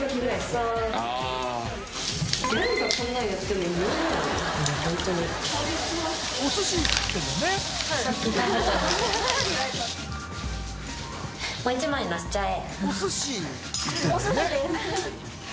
もう１枚のせちゃえ。